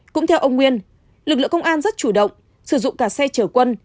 cũng theo ông nguyên lực lượng công an rất chủ động sử dụng cả xe chở quân